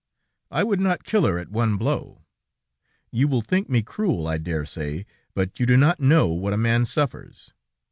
I would not kill her at one blow! You will think me cruel, I dare say; but you do not know what a man suffers.